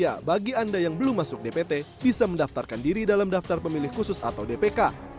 ya bagi anda yang belum masuk dpt bisa mendaftarkan diri dalam daftar pemilih khusus atau dpk